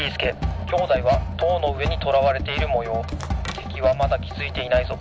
てきはまだきづいていないぞ。